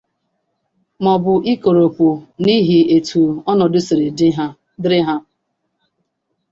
maọbụ ikoròpù n'ihi etu ọnọdụ siri dịrị ha